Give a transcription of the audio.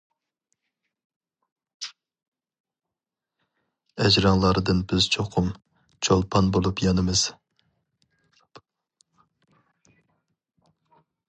ئەجرىڭلاردىن بىز چوقۇم، چولپان بولۇپ يانىمىز.